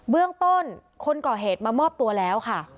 เรื่องต้นคนก่อเหตุมามอบตัวแล้วค่ะ